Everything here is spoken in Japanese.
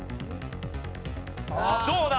どうだ？